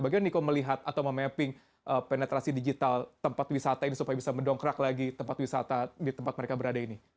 bagaimana niko melihat atau memapping penetrasi digital tempat wisata ini supaya bisa mendongkrak lagi tempat wisata di tempat mereka berada ini